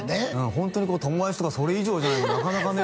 ホントに友達とかそれ以上じゃないとなかなかね